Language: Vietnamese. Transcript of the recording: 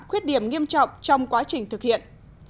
khuyết điểm nghiêm trọng trong quá trình thực hiện